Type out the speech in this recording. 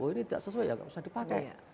ini tidak sesuai ya tidak usah dipakai